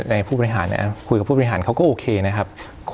ในผู้บริหารเนี่ยครับคุยกับพูดบริหารเนี่ยเขาก็โอเคนะครับ